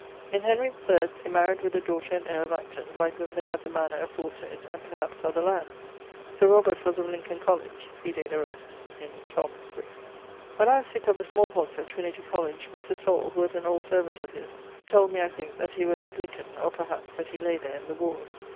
In Henry III they maried with a daughter and heire of Acton, by whom they had the mannor aforesayd and perhaps other lands. Linc. Coll. Vide the rest in tom. iii. When I was sick of the smallpox at Trinity College, Mr. Saul, who was an old servant of his, told me I thinke that he was of Lincoln (or, perhaps, that he lay there in the warres).